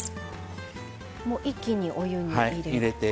一気にお湯に入れて。